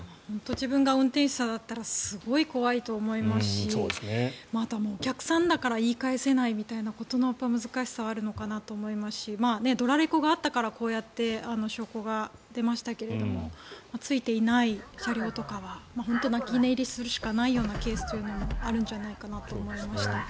自分が運転手さんだったらすごい怖いと思いますしあとはお客さんだから言い返せないみたいな難しさはあるのかなと思いますしドラレコがあったからこうやって証拠が出ましたがついていない車両とかは泣き寝入りするしかないようなケースもあるんじゃないかなと思いました。